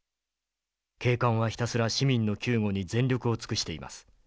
警官はひたすら市民の救護に全力を尽くしています。